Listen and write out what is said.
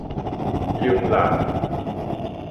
英蘭